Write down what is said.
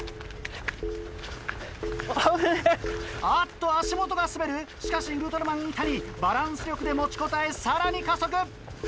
あっと足元が滑るしかしウルトラマン井谷バランス力で持ちこたえさらに加速。